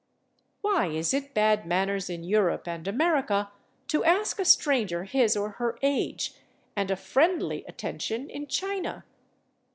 Why is it bad manners in Europe and America to ask a stranger his or her age, and a friendly attention in China?